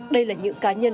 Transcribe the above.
đây là những cá nhân